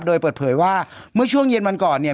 โดยเปิดเผยว่าเมื่อช่วงเย็นวันก่อนเนี่ย